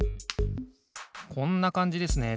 こんなかんじですね。